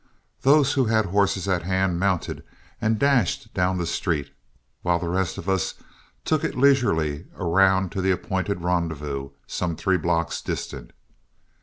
Those who had horses at hand mounted and dashed down the street, while the rest of us took it leisurely around to the appointed rendezvous, some three blocks distant.